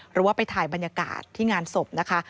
หรือว่าไปถ่ายบรรยากาศที่งานศพนะคะ